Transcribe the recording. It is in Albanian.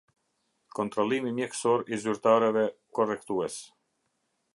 Kontrollimi mjekësor i zyrtareve korrektues.